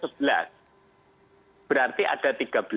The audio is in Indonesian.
berarti ada tiga belas